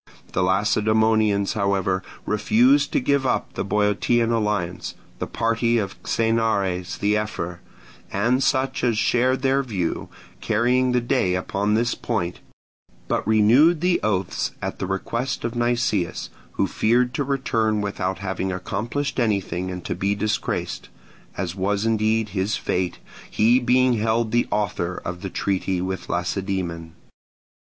The Lacedaemonians, however, refused to give up the Boeotian alliance—the party of Xenares the ephor, and such as shared their view, carrying the day upon this point—but renewed the oaths at the request of Nicias, who feared to return without having accomplished anything and to be disgraced; as was indeed his fate, he being held the author of the treaty with Lacedaemon.